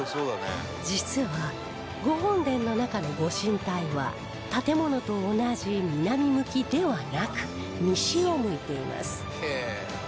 実は御本殿の中の御神体は建物と同じ南向きではなく西を向いています